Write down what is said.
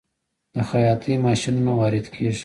د خیاطۍ ماشینونه وارد کیږي؟